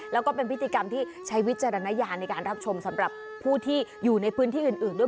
แล้วก็เป็นพิธีกรรมที่ใช้วิจารณญาณในการรับชมสำหรับผู้ที่อยู่ในพื้นที่อื่นด้วย